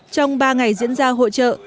trong ba ngày diễn ra hội trợ